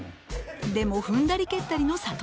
でも踏んだり蹴ったりの諭。